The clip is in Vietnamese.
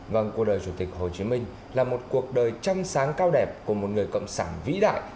vâng cuộc đời chủ tịch hồ chí minh là một cuộc đời chăm sáng cao đẹp của một người cộng sản vĩ đại